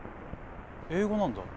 英語なんだ。